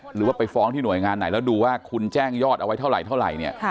หรือว่าไปฟ้องที่หน่วยงานไหนแล้วดูว่าคุณแจ้งยอดเอาไว้เท่าไหรเท่าไหร่เนี่ย